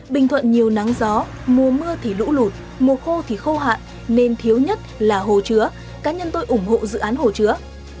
bình thuận nhiều nắng gió mùa mưa thì lũ lụt mùa khô thì khô hạn nên thiếu nhất là hồ chứa cá nhân tôi ủng hộ dự án hồ chứa